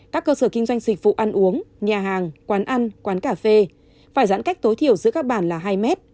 các cơ sở kinh doanh dịch vụ ăn uống nhà hàng quán ăn quán cà phê phải giãn cách tối thiểu giữa các bản là hai mét